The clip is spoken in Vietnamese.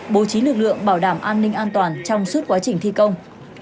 bố trí lực lượng bảo đảm an ninh an toàn trong suốt quá trình thi công